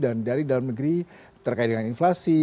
dan dari dalam negeri terkait dengan inflasi